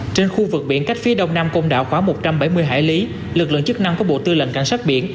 trên khu vực biển cách phía đông nam công đảo khoảng một trăm bảy mươi hải lý lực lượng chức năng của bộ tư lệnh cảnh sát biển